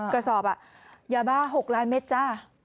กระสอบยาบ้า๖ล้านเมตรจ้า